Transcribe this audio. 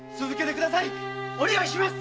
座長お願いします。